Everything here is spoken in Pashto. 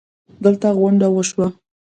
دلته غونډه وشوه